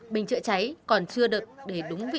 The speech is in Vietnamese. bình chữa cháy còn chưa được để đúng nơi